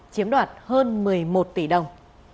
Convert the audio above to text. chiếm đoạt hơn một mươi một tỷ đồng